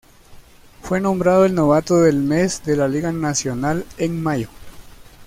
Fue nombrado el novato del mes de la Liga Nacional en mayo.